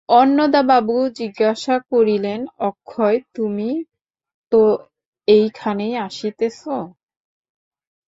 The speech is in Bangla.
অন্নদাবাবু জিজ্ঞাসা করিলেন, অক্ষয়, তুমি তো এইখানেই আসিতেছ?